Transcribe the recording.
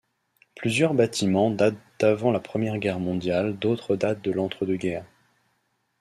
Plusieurs bâtiments datent d'avant la Première Guerre mondiale d'autres datent de l'entre-deux-guerres.